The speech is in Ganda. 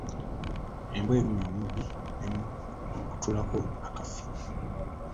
Embwa erumye omubbi n’emukutulako akafi.